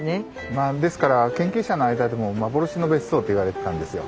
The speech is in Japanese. まあですから研究者の間でも幻の別荘といわれてたんですよ。